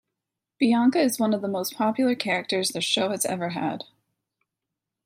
Bianca is one of the most popular characters the show has ever had.